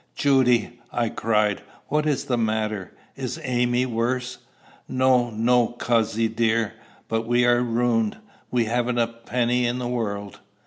"Judy!" I cried, "what is the matter? Is Amy worse?" "No, no, cozzy dear; but we are ruined. We haven't a penny in the world.